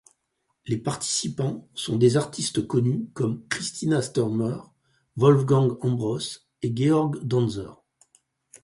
Les participants sont des artistes connus comme Christina Stürmer, Wolfgang Ambros et Georg Danzer.